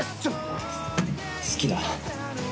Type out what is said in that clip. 好きだ！